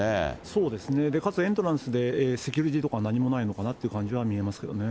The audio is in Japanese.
そうですね、かつエントランスで、セキュリティーとか何もないのかなという感じは見えますけどね。